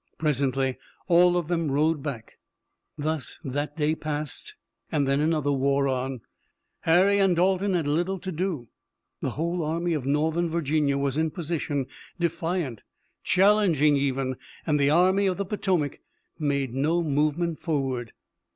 Presently all of them rode back. Thus that day passed and then another wore on. Harry and Dalton had little to do. The whole Army of Northern Virginia was in position, defiant, challenging even, and the Army of the Potomac made no movement forward.